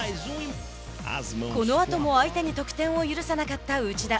このあとも相手に得点を許さなかった内田。